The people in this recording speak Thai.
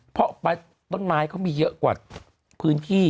เพราะต้นไม้เขามีเยอะกว่าพื้นที่